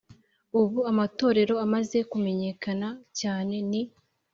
Ubu amatorero amaze kumenyekana cyane ni